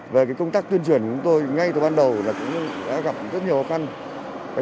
về công tác tuyên truyền của chúng tôi ngay từ ban đầu đã gặp rất nhiều khó khăn